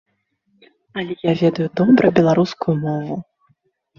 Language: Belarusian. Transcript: Але я ведаю добра беларускую мову.